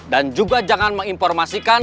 dan juga jangan menginformasikan